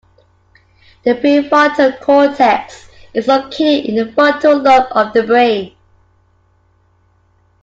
The prefrontal cortex is located in the frontal lobe of the brain.